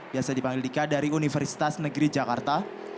biasa dipanggil dika dari universitas negeri jakarta